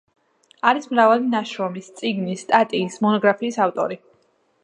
არის მრავალი ნაშრომის, წიგნის, სტატიის, მონოგრაფიის ავტორი.